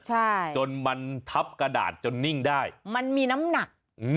ใช่จนมันทับกระดาษจนนิ่งได้มันมีน้ำหนักอืม